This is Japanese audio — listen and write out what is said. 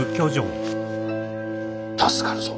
助かるぞ。